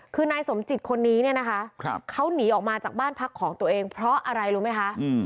คือนายสมจิตคนนี้เนี่ยนะคะเขาหนีออกมาจากบ้านพักของตัวเองเพราะอะไรรู้ไหมคะ